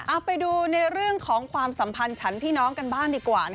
เอาไปดูในเรื่องของความสัมพันธ์ฉันพี่น้องกันบ้างดีกว่า